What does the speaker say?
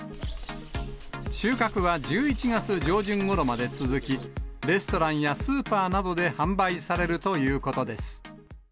収穫は１１月上旬ごろまで続き、レストランやスーパーなどで販売されるということです。